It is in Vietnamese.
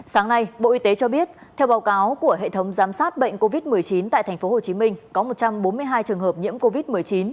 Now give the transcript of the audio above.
sáng nay bộ y tế cho biết theo báo cáo của hệ thống giám sát bệnh covid một mươi chín tại tp hcm có một trăm bốn mươi hai trường hợp nhiễm covid một mươi chín